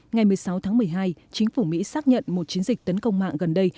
ngày một mươi sáu tháng một mươi hai chính phủ mỹ xác nhận một chiến dịch tấn công mạng gần đây